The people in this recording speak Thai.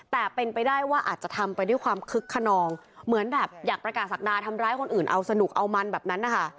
แต่เป็นไปได้ว่าอาจจะทำไปด้วยความคึกขนองเหมือนแบบอยากประกาศศักดาทำร้ายคนอื่นเอาสนุกเอามันแบบนั้นนะคะ